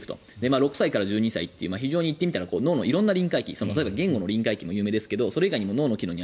６歳から１２歳という言ってみれば脳の色んな臨界期言語の臨界期も有名ですがそれ以外にも脳には